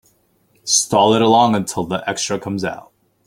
Stall it along until the extra comes out.